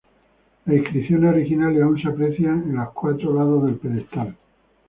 Las inscripciones originales aún se aprecian en los cuatro lados del pedestal.